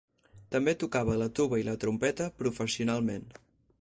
També tocava la tuba i la trompeta professionalment.